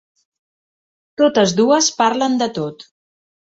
Totes dues parlen de tot.